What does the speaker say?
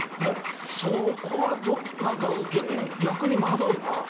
そこは逆に惑うな。